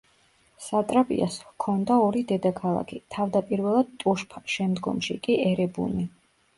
სატრაპიას ჰქონდა ორი დედაქალაქი, თავდაპირველად ტუშფა, შემდგომში კი ერებუნი.